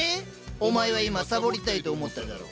お前は今サボりたいと思っただろう？